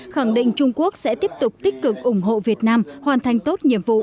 khẳng định trung quốc sẽ tiếp tục tích cực ủng hộ việt nam hoàn thành tốt nhiệm vụ